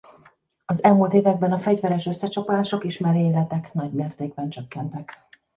Az elmúlt években a fegyveres összecsapások és merényletek nagymértékben csökkentek.